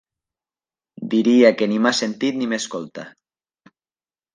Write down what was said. Diria que ni m'ha sentit ni m'escolta.